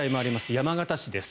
山形市です。